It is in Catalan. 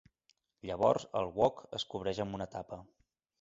Llavors el wok es cobreix amb una tapa.